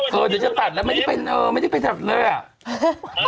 เออเดี๋ยวจะตัดแล้วไม่ได้ไปตัดเลือดอะ